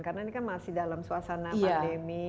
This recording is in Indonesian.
karena ini kan masih dalam suasana pandemi